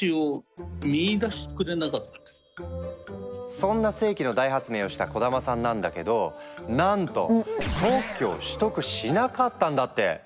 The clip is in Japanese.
そんな世紀の大発明をした小玉さんなんだけどなんと特許を取得しなかったんだって！